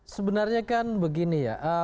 sebenarnya kan begini